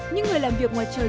những người làm việc ngoài trời